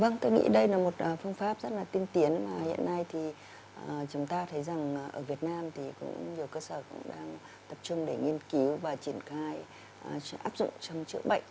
vâng tôi nghĩ đây là một phương pháp rất là tiên tiến mà hiện nay thì chúng ta thấy rằng ở việt nam thì cũng nhiều cơ sở cũng đang tập trung để nghiên cứu và triển khai áp dụng trong chữa bệnh